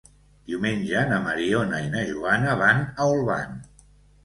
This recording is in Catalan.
Diumenge na Mariona i na Joana van a Olvan.